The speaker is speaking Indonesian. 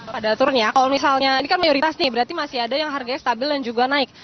pada turun ya kalau misalnya ini kan mayoritas nih berarti masih ada yang harganya stabil dan juga naik